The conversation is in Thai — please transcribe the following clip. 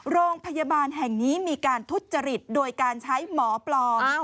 โรงพยาบาลแห่งนี้มีการทุจริตโดยการใช้หมอปลอม